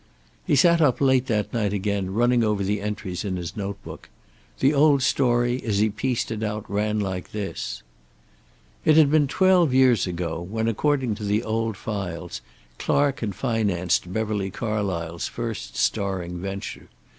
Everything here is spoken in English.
He sat up late that night again, running over the entries in his notebook. The old story, as he pieced it out, ran like this: It had been twelve years ago, when, according to the old files, Clark had financed Beverly Carlysle's first starring venture.